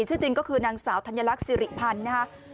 ชื่อจริงก็คือนางสาวธัญลักษิริพันธ์นะครับ